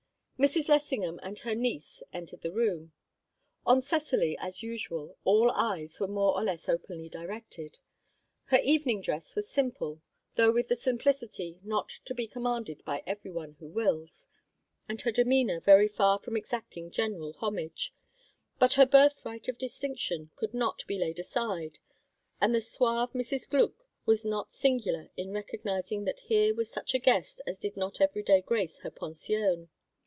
Mrs. Lessingham and her niece entered the room. On Cecily, as usual, all eyes were more or less openly directed. Her evening dress was simple though with the simplicity not to be commanded by every one who wills and her demeanour very far from exacting general homage; but her birthright of distinction could not be laid aside, and the suave Mrs. Gluck was not singular in recognizing that here was such a guest as did not every day grace her pension.